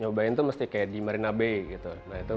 nyobain tuh mesti kayak di marina bay gitu